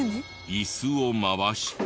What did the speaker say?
椅子を回して。